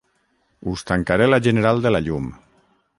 Us tancaré la general de la llum”.